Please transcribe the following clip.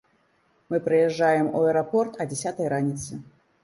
Мы прыязджаем у аэрапорт а дзясятай раніцы.